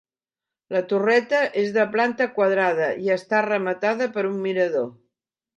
La torreta és de planta quadrada i està rematada per un mirador.